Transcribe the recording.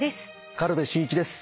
軽部真一です。